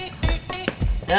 ada apa tuh ben